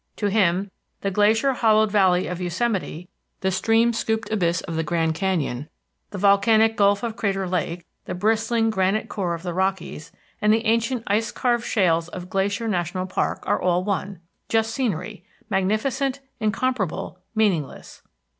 To him, the glacier hollowed valley of Yosemite, the stream scooped abyss of the Grand Canyon, the volcanic gulf of Crater Lake, the bristling granite core of the Rockies, and the ancient ice carved shales of Glacier National Park all are one just scenery, magnificent, incomparable, meaningless.